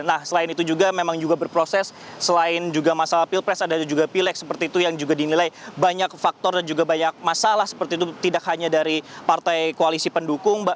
nah selain itu juga memang juga berproses selain juga masalah pilpres ada juga pilek seperti itu yang juga dinilai banyak faktor dan juga banyak masalah seperti itu tidak hanya dari partai koalisi pendukung